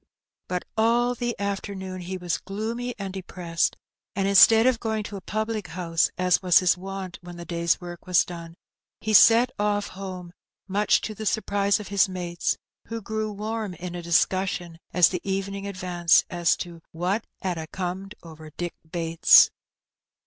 But all the afcernoon he was gloomy and depressed, and instead of going to a pnblic honse, as was his wont when the day's work was done, he set oflF home, mnch to the surprise of hia mates, who grew warm in a discussion as the evening advanced as to what "'ad a comed over Dick Bates."